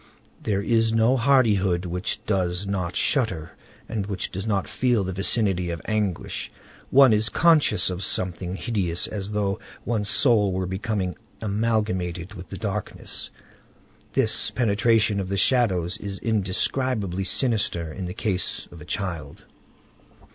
There is no hardihood which does not shudder and which does not feel the vicinity of anguish. One is conscious of something hideous, as though one's soul were becoming amalgamated with the darkness. This penetration of the shadows is indescribably sinister in the case of a child.